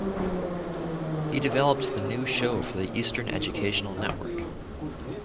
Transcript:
He developed the new show for the Eastern Educational Network.